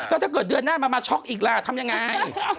ก็ถ้าเกิดเดือนหน้ามาช็อคอีกละทำอย่างไร